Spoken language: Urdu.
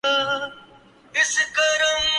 یوں گلگت بلتستان میں تحریک جعفریہ کی حکومت بن گئی